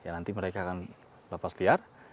nanti mereka akan lepasliar